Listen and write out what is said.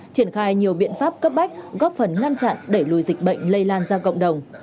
triển khai nhiều biện pháp cấp bách góp phần ngăn chặn đẩy lùi dịch bệnh lây lan ra cộng đồng